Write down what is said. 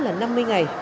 là năm mươi ngày